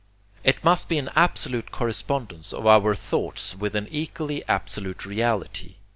It must be an absolute correspondence of our thoughts with an equally absolute reality.